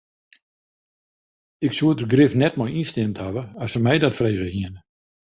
Ik soe der grif net mei ynstimd hawwe as se my dat frege hiene.